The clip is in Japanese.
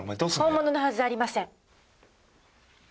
本物のはずありません。